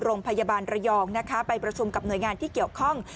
โรงพยาบาลระยองนะคะไปประชุมกับหน่วยงานที่เกี่ยวข้อง